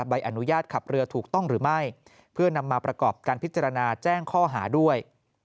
ใบอนุญาตขับเรือถูกต้องหรือไม่เพื่อนำมาประกอบการพิจารณาแจ้งข้อหาด้วย